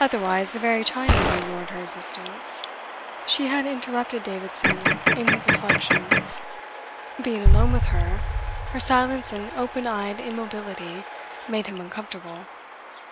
Otherwise the very Chinamen ignored her existence. She had interrupted Davidson in his reflections. Being alone with her, her silence and open eyed immobility made him uncomfortable.